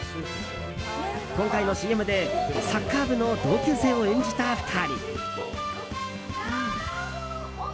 今回のＣＭでサッカー部の同級生を演じた２人。